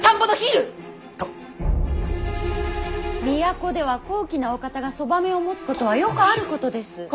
都では高貴なお方がそばめを持つことはよくあることです。